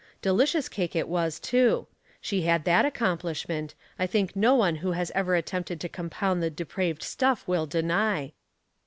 Delicious cake it was, too. She had that accomplishment, I think no one who has ever attempted to compound the de praved stuff will deny.